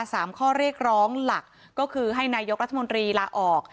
สามข้อเรียกร้องหลักก็คือให้นายกรัฐมนตรีลาออก